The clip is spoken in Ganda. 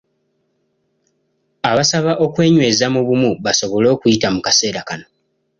Abasaba okwenyweza mu bumu, basobole okuyita mu kaseera kano.